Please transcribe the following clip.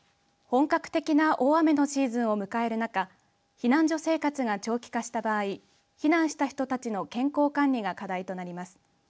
本格的な大雨のシーズンを迎える中避難所生活が長期化した場合避難した人たちの健康管理が課題となります。